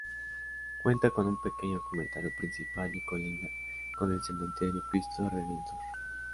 Cuenta con un pequeño cementerio principal y colinda con el Cementerio Cristo Redentor.